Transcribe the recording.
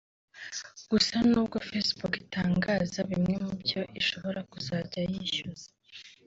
Gusa n’ubwo facebook itangaza bimwe mu byo ishobora kuzajya yishyuza